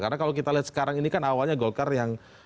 karena kalau kita lihat sekarang ini kan awalnya golkar yang